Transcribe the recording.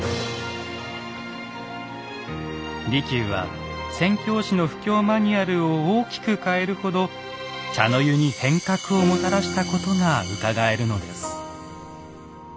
利休は宣教師の布教マニュアルを大きく変えるほど茶の湯に変革をもたらしたことがうかがえるのです。